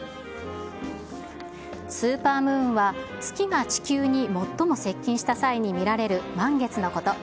スーパームーンは、月が地球に最も接近した際に見られる満月のこと。